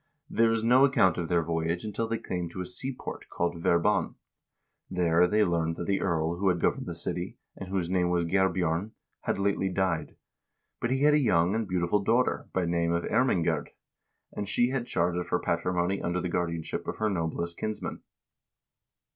There is no account of their voyage until they came to a seaport called Verbon.1 There they learned that the earl who had governed the city, and whose name was Geir bjorn, had lately died ; but he had a young and beautiful daughter, by name of Ermingerd, and she had charge of her patrimony under the guardianship of her noblest kinsmen.